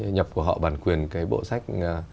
nhập của họ bản quyền cái bộ sách